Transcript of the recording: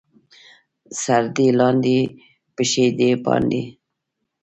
سر دې لاندې، پښې دې باندې.